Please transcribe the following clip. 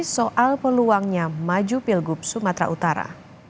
soal peluangnya maju pilgub sumatera utara